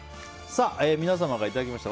皆様からいただきました